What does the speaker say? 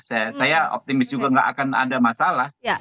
saya optimis juga nggak akan ada masalah